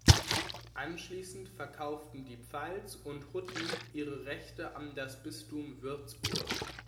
Anschließend verkauften die Pfalz und Hutten ihre Rechte an das Bistum Würzburg.